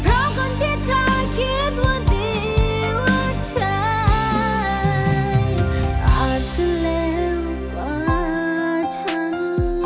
อาจจะเร็วกว่าฉัน